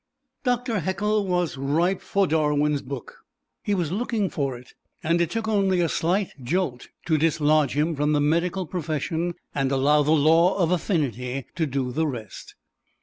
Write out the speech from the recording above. Doctor Haeckel was ripe for Darwin's book. He was looking for it, and it took only a slight jolt to dislodge him from the medical profession and allow the Law of Affinity to do the rest.